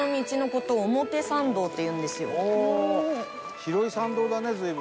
広い参道だね随分。